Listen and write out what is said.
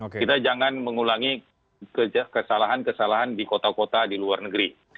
kita jangan mengulangi kesalahan kesalahan di kota kota di luar negeri